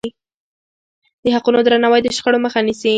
د حقونو درناوی د شخړو مخه نیسي.